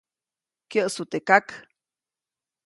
Kyäʼsu teʼ kak.